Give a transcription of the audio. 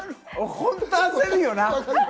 本当、焦るよな。